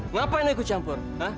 ngapa ini ikut campur